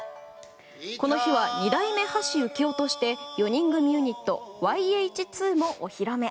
この日は２代目・橋幸夫として４人組ユニットｙＨ２もお披露目。